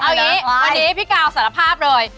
เอาอย่างนี้วันนี้พี่กาวสารภาพเลย